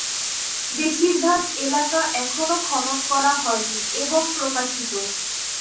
বেশিরভাগ এলাকা এখনও খনন করা হয়নি এবং প্রকাশিত।